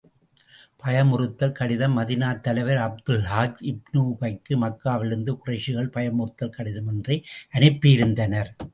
பயமுறுத்தல் கடிதம் மதீனாத் தலைவர் அப்துல்லாஹ் இப்னு உபைக்கு, மக்காவிலிருந்த குறைஷிகள் பயமுறுத்தல் கடிதம் ஒன்றை அனுப்பி இருந்தனர்.